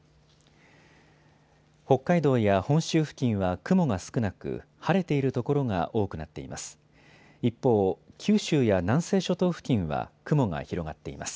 北海道や本州付近は雲が少なく晴れている所が多くなっています。